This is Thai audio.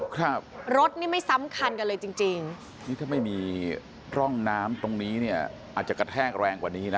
ครับรถนี่ไม่ซ้ำคันกันเลยจริงจริงนี่ถ้าไม่มีร่องน้ำตรงนี้เนี่ยอาจจะกระแทกแรงกว่านี้นะ